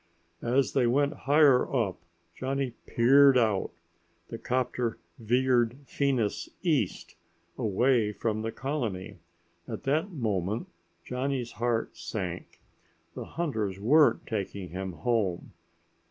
As they went higher up, Johnny peered out. The 'copter veered Venus east away from the colony. At that moment Johnny's heart sank. The hunters weren't taking him home!